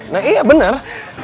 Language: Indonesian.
nah iya bener